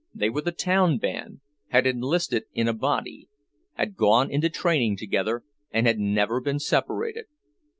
They were the town band, had enlisted in a body, had gone into training together, and had never been separated.